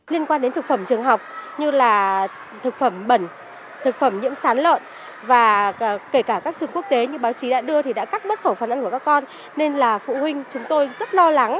liên quan đến thực phẩm trường học như là thực phẩm bẩn thực phẩm nhiễm sán lợn và kể cả các trường quốc tế như báo chí đã đưa thì đã cắt mất khẩu phần ăn của các con nên là phụ huynh chúng tôi rất lo lắng